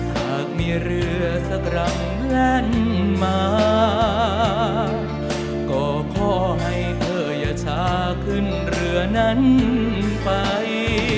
หากมีเรือสักรังแล่นมาก็ขอให้เธออย่าช้าขึ้นเรือนั้นไป